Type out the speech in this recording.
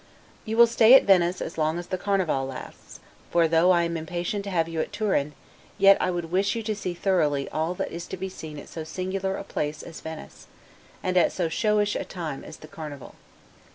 You will stay at Venice as long as the Carnival lasts; for though I am impatient to have you at Turin, yet I would wish you to see thoroughly all that is to be seen at so singular a place as Venice, and at so showish a time as the Carnival.